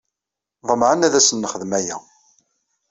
Ḍemɛen ad asen-nexdem aya.